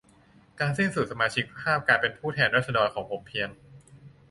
การสิ้นสุดสมาชิกภาพการเป็นผู้แทนราษฎรของผมเพียง